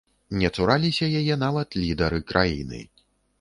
Не цураліся яе нават лідары краіны.